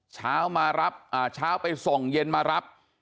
เช้ามารับเช้าไปส่งเย็นมารับ